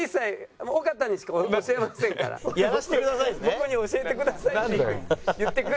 「僕に教えてください」って言ってくるまで。